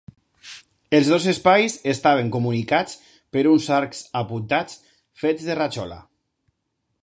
Els dos espais estaven comunicats per uns arcs apuntats fets de rajola.